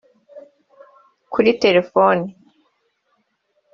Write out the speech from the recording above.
kuri telefoni